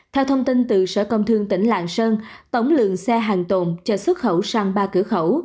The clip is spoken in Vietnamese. theo thông tin từ sở công thương tỉnh lạng sơn tổng lượng xe hàng tồn cho xuất khẩu sang ba cửa khẩu